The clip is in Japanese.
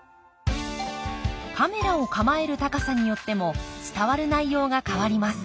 カメラを構える高さによっても伝わる内容が変わります。